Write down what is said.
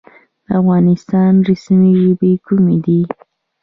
د افغانستان رسمي ژبې کومې دي؟